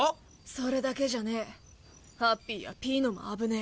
それだけじゃねえハッピーやピーノも危ねぇ。